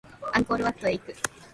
アンコールワットへ行く